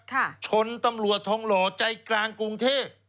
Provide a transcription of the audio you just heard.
ชนตำรวจทองหล่อใจกลางกรุงเทพ